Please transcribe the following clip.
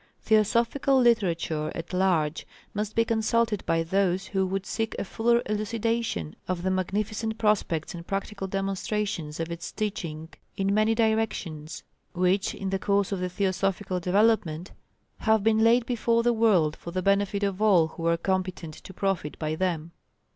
Theosophical literature at large must be consulted by those who would seek a fuller elucidation of the magnificent prospects and practical demonstrations of its teaching in many directions, which, in the course of the Theosophical development, have been laid before the world for the benefit of all who are competent to profit by them.